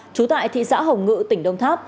trú tại thị xã hồng ngự tỉnh đông tháp